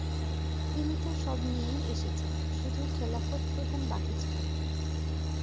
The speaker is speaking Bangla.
তিনি তো সব নিয়েই এসেছেন, শুধু খেলাফতপ্রধান বাকি ছিল’।